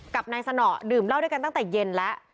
กับนายสนอดื่มเหล้าด้วยกันตั้งแต่เย็นแล้ว